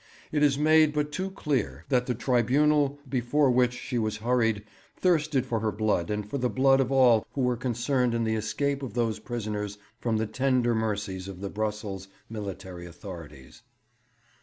It is made but too clear that the tribunal before which she was hurried thirsted for her blood and for the blood of all who were concerned in the escape of those prisoners from the tender mercies of the Brussels military authorities.